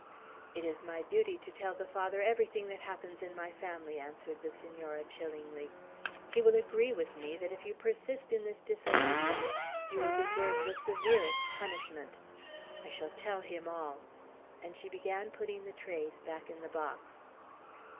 "It is my duty to tell the Father everything that happens in my family," answered the Senora, chillingly. "He will agree with me, that if you persist in this disobedience you will deserve the severest punishment. I shall tell him all;" and she began putting the trays back in the box.